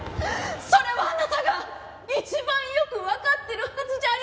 それはあなたが一番よくわかってるはずじゃありませんか！